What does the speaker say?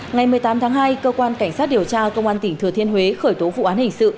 ngày một mươi tám tháng hai cơ quan cảnh sát điều tra công an tỉnh thừa thiên huế khởi tố vụ án hình sự